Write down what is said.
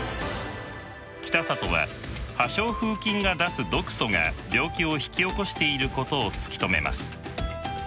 北里は破傷風菌が出す毒素が病気を引き起こしていることを突き止めます。